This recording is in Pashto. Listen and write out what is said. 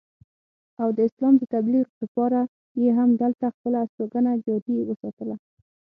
او د اسلام د تبليغ دپاره ئې هم دلته خپله استوګنه جاري اوساتله